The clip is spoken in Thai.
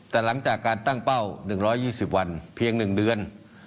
แต่หลังจากการตั้งเป้า๑๒๐วันเพียง๑เดือน